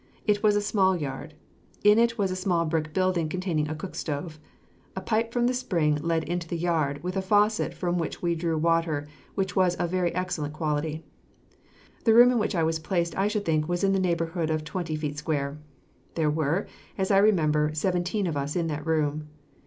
It was a small yard. In it was a small brick building containing a cook stove. A pipe from a spring led into the yard, with a faucet from which we drew water, which was of very excellent quality. The room in which I was placed I should think was in the neighborhood of twenty feet square. There were, as I remember, seventeen of us in that room.